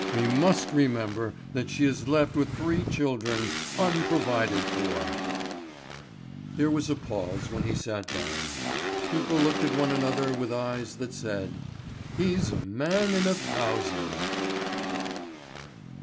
We must remember that she is left with three children unprovided for!" There was a pause when he sat down. People looked at one another with eyes that said "He's a man in a thousand!"